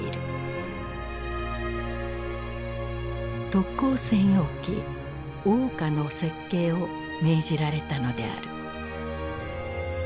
特攻専用機桜花の設計を命じられたのである。